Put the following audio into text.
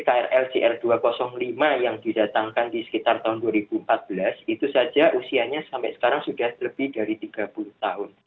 krl cr dua ratus lima yang didatangkan di sekitar tahun dua ribu empat belas itu saja usianya sampai sekarang sudah lebih dari tiga puluh tahun